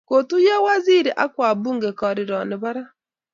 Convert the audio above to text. kotuyo waziri ak wabungekariron nepo raa